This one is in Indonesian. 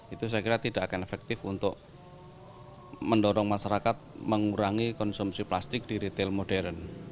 itu saya kira tidak akan efektif untuk mendorong masyarakat mengurangi konsumsi plastik di retail modern